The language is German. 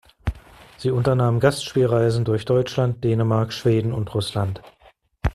Sie unternahm Gastspielreisen durch Deutschland, Dänemark, Schweden und Russland.